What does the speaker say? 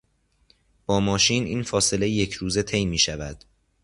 با ماشین این فاصله یکروزه طی میشود.